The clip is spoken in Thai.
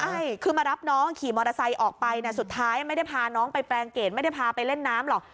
ใช่คือมารับน้องขี่มอเตอร์ไซค์ออกไปสุดท้ายไม่ได้พาน้องไปแปลงเกรดไม่ได้พาไปเล่นน้ำหรอก